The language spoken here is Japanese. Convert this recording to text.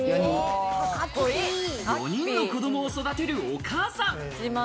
４人の子供を育てるお母さん。